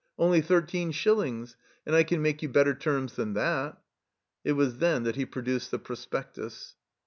Only thirteen shillings. And I can make you better terms than that." It was then that he produced the Prospectus.